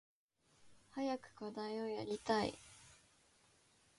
早く課題をやりたい。